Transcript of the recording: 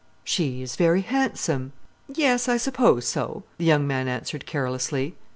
"She is very handsome." "Yes, I suppose so," the young man answered carelessly.